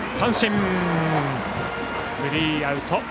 スリーアウト。